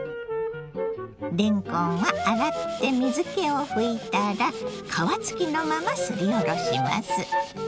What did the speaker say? れんこんは洗って水けをふいたら皮付きのまますりおろします。